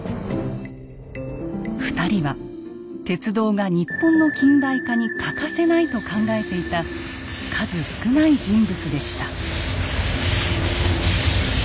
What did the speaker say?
２人は鉄道が日本の近代化に欠かせないと考えていた数少ない人物でした。